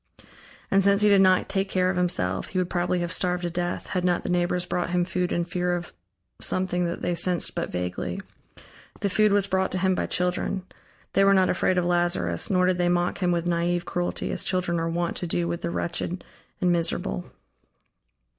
And since he did not take care of himself, he would probably have starved to death, had not the neighbors brought him food in fear of something that they sensed but vaguely. The food was brought to him by children; they were not afraid of Lazarus, nor did they mock him with naive cruelty, as children are wont to do with the wretched and miserable.